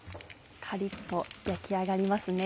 カリっと焼き上がりますね。